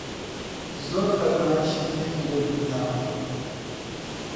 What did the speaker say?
زۆر فەرمایشی تری لە دوو دا.